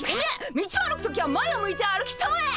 道を歩く時は前を向いて歩きたまえ！